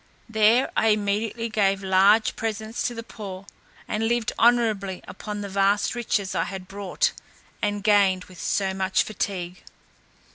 There I immediately gave large presents to the poor, and lived honourably upon the vast riches I had brought, and gained with so much fatigue.